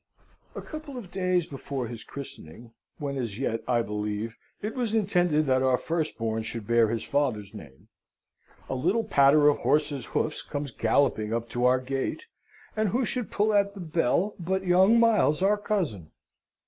A couple of days before his christening, when as yet I believe it was intended that our firstborn should bear his father's name, a little patter of horse's hoofs comes galloping up to our gate; and who should pull at the bell but young Miles, our cousin?